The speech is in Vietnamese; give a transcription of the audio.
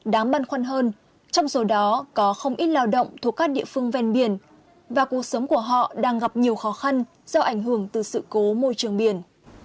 đáng băn khoăn hơn trong số đó có không ít lao động thuộc các địa phương ven biển và cuộc sống của họ đang gặp nhiều khó khăn do ảnh hưởng từ sự cố môi trường biển